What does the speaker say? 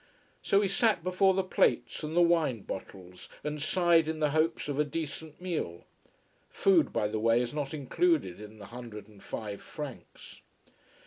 So we sat before the plates and the wine bottles and sighed in the hopes of a decent meal. Food by the way is not included in the hundred and five francs.